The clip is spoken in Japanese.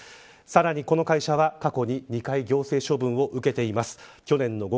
さらに、この会社は過去に２回行政処分を受けています。